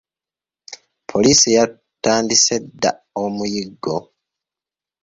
Poliisi yatandise dda omuyiggo.